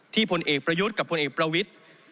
พลเอกประยุทธ์กับพลเอกประวิทธิ์